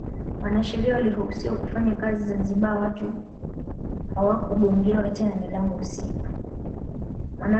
Wanasheria waliruhusiwa kufanya kazi Zanzibar watu hawakugongewa tena milango usiku